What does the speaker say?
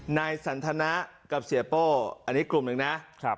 นายสันทนะกับเสียโป้อันนี้กลุ่มหนึ่งนะ